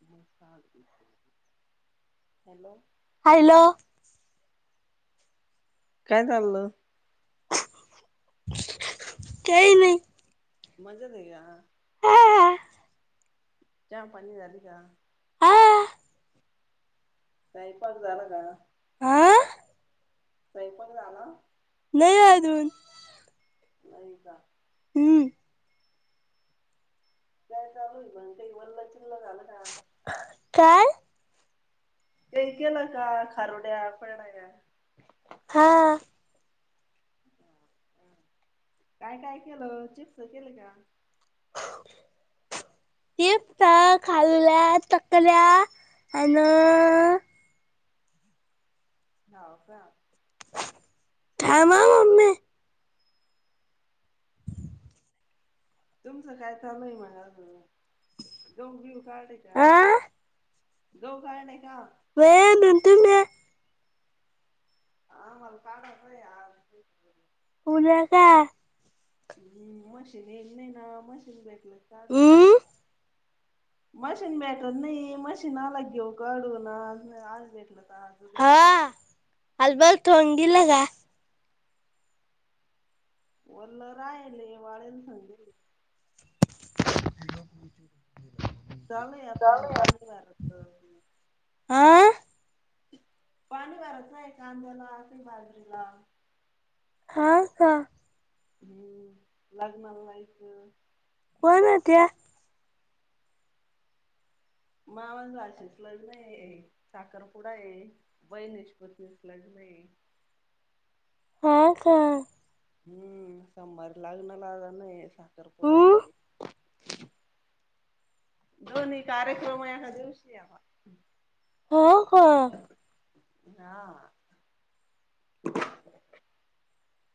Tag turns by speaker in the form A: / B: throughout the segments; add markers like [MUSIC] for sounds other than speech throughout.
A: म- hello.
B: Hello
A: काय चाललं?
B: काही नाही.
A: मजा नाही आ.
B: हा
A: चहापाणी झाली का?
B: हा
A: स्वयंपाक झाला का?
B: आं.
A: स्वयंपाक झाला.
B: नाही अजून.
A: नाही का
B: हम्म.
A: द्याय चालु हाय, पण ते वल-चिलं जालं का
B: काय?
A: का केलं का खारोड्या, कुरडया
B: हा
A: काय काय केलं चिप्स केलं का? हा.
B: चिप्स, खारोड्या, तकल्या आणि
A: हाव का.
B: थांब हा म्ममी
A: तुमचां काय चालुय आहे अजून मगा गहू बी काडले का?
B: हा
A: गहू काढले का?
B: वन तुम [UNINTELLIGIBLE]
A: हा मला काम आलंय आज.
B: पूजा का [UNINTELLIGIBLE]
A: हम्म मशीन येल नाही ना मशीन भेटलं काढलं काल.
B: हम्म
A: मशीन भेटलत नाही, मशीन आला काढू ना आज भेटल तर आज. उद्या
B: हा
A: भेटलं तर
B: हलबल ठोंगला का [UNINTELLIGIBLE]
A: वल्ल राहिले वाळे्याला सांगलीत. झालय आता पाणी मारत.
B: हा
A: पाणी भरत नाहीय कांद्याला अस बाजरीला
B: हा का
A: हम्म लग्नाला जायच
B: कोणाच्या?
A: मामा न आशीेच लग्न आहे साखरपुडा आहे. [UNINTELLIGIBLE]
B: हा का.
A: हम्म सोमारी लाग्णार ला आ नाही साखरपुडा
B: हम्म
A: ये [UNINTELLIGIBLE] दोन्ही कार्यक्रम ऐका दिवशी येता.
B: हो हो.
A: हा.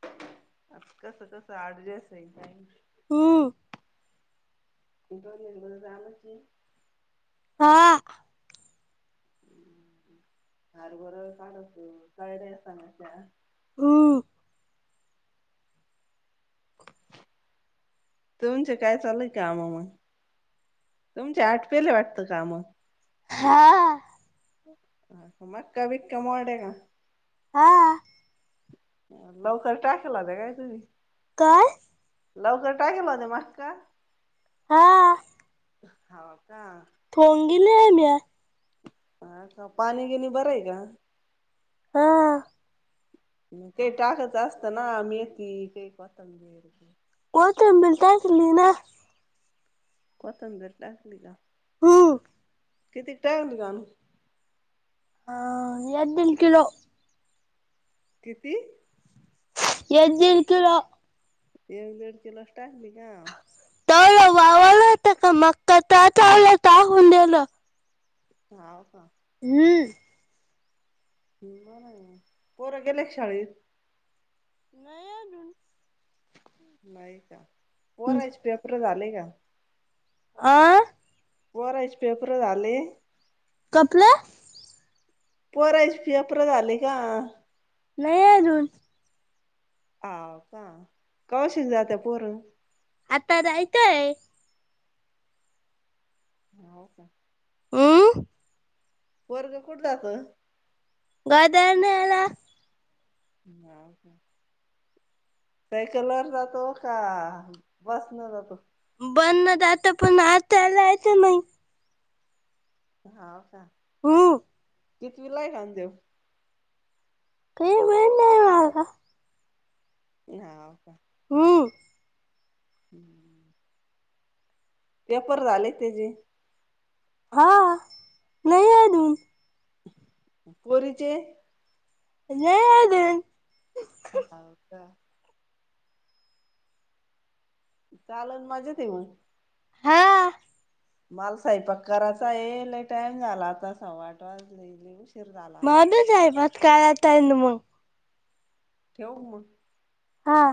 A: आता कस कसं अडजस आहे काय माहित.
B: हम
A: इथ लग्न झालं की
B: हा
A: हरबर काढत का रे
B: हम
A: तुमचं काय चालु हाय काम मग. तुमच्या आटपेले वाटतं काम.
B: हां.
A: मका बीका मोढ्या आहे का.
B: हा.
A: लवकर टाकलाता काय तुम्ही?
B: काय?
A: लवकर टाकीला ते मक्का.
B: हा
A: हाव का?
B: [UNINTELLIGIBLE] आहे म्या
A: हा का पाणी गीणी बर आहे का?
B: हा
A: ते टाकायचं असतं ना मेथी ते कोथंबीर ते
B: कोथिंबीर टाकली ना.
A: कोथंबीर टाकली का?
B: हम्म
A: कितीक टाकली कानू?
B: आ एक दिल किलो.
A: किती?
B: एक दील किलो.
A: एक दीड किलो टाकली का?
B: तलं वावलंता का मंग ते वलं टाकून दिलं.
A: हाव का
B: हम्म
A: हम्म बर आहे मंग, पोर गेले का शाळेेत?
B: नाही अजून
A: नाही का, पोरायचे पेपर झाले का?
B: आ
A: पोरायचे पेपर झाले
B: कपले
A: पोरायची फी अप्रू झाली का?
B: नाही अजून
A: हाव का कवाशी जात्या पोरं?
B: आता जायचंय.
A: हाव का
B: हम्म
A: पोरगं कुठे जातं?
B: गादी आणायला.
A: हाव का सायकल वर जातो का बस न जातो?
B: बन जातो पण आज त्याला जायचं नाही.
A: हाव का.
B: हो
A: कितवीला आहे कानू तो?
B: काही वेळ नाही मला का
A: हाव का
B: हम्म
A: हम्म पेपर झाले त्याचेे?
B: हा, नाही अजून.
A: पोरीचें
B: जया देन
A: हाव का? चाललं मजेत है मं?
B: हां.
A: माल सैपाक कराचाये लै टाईम झाला आता सव्वा आठ वाजले लय उशी.
B: [UNINTELLIGIBLE]
A: ठेवूं मगं?
B: हां.